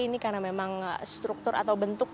ini karena memang struktur atau bentuk